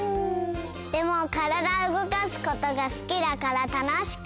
でもからだうごかすことがすきだからたのしかった！